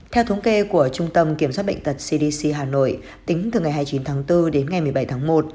theo thống kê của trung tâm kiểm soát bệnh tật cdc hà nội tính từ ngày hai mươi chín tháng bốn đến ngày một mươi bảy tháng một